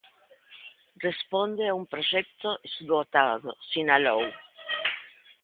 "Responde a un proxecto esgotado", sinalou.